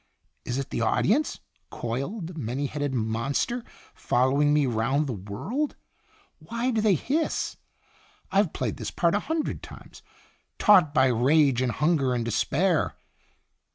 Is it the audience coiled, many headed monster, following me round the world? Why do they hiss? I 've played this part a hundred times. ' Taught by Rage, and Hun ger, and Despair?'